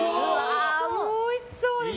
おいしそうです。